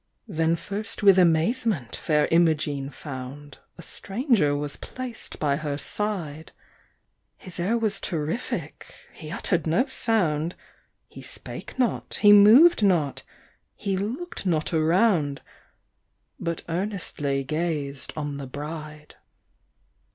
Then first with amazement Fair Imogene found A stranger was placed by her side; His air was terrific, he uttered no sound He spake not, he moved not he looked not around, But earnestly gazed on the bride.